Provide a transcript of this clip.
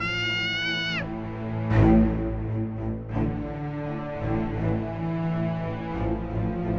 ada mantan anak